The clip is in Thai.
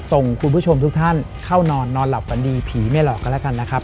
ส่งคุณผู้ชมทุกท่านเข้านอนนอนหลับฝันดีผีไม่หลอกกันแล้วกันนะครับ